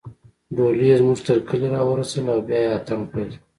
ډولۍ يې زموږ تر کلي راورسوله او بیا يې اتڼ پیل کړ